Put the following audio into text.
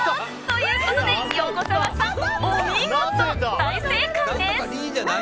ということで横澤さん、お見事大正解です！